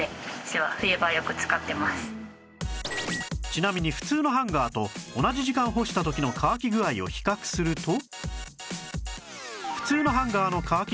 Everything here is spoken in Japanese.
ちなみに普通のハンガーと同じ時間干した時の乾き具合を比較すると